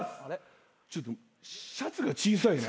ちょっとシャツが小さいね。